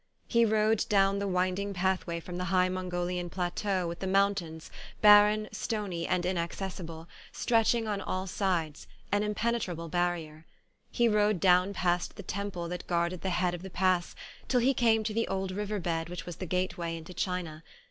He rode down the winding pathway from the high Mongolian plateau with the moun tains, barren, stony, and inaccessible, stretching on all sides, an impenetrable barrier; he rode down past the temple that guarded the head of the pass till he came to the old river bed which was the gateway into China.